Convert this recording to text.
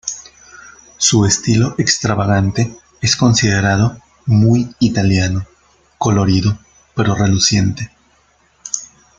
Su estilo extravagante es considerado "muy italiano", colorido pero reluciente.